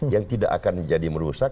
yang tidak akan jadi merusak